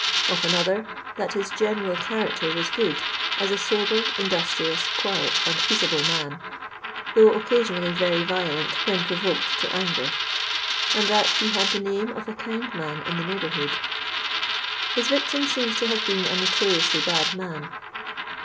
Of another, that his general character was good, as a sober, industrious, quiet and peaceable man, though occasionally very violent when provoked to anger ;" and that he had the name of a kind man in the neigh borhood." His victim seems to have been a notoriously bad man.